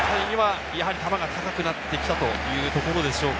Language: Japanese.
やはり球が高くなってきたというところでしょうか。